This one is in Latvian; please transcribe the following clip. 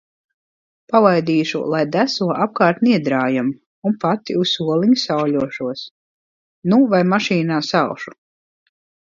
Palaidīšu, lai deso apkārt Niedrājam, un pati uz soliņa sauļošos. Nu vai mašīnā salšu.